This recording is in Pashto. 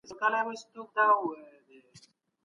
نشه يي توکي انسان له منځه وړي.